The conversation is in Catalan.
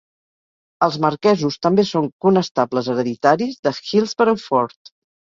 Els marquesos també son conestables hereditaris de Hillsborough Fort.